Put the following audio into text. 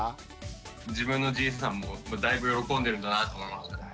自分のじいさんもだいぶ喜んでるんだなって思いましたね。